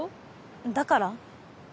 だから？